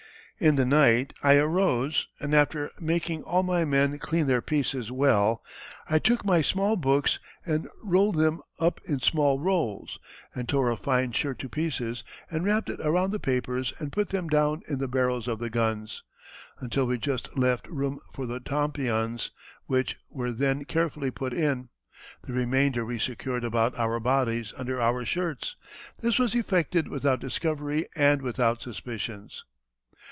In the night I arose, and, after making all my men clean their pieces well, I took my small books and rolled them up in small rolls, and tore a fine shirt to pieces, and wrapped it around the papers and put them down in the barrels of the guns, until we just left room for the tompions, which were then carefully put in; the remainder we secured about our bodies under our shirts. This was effected without discovery and without suspicions."